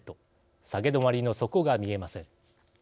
下げ止まりの底が見えません。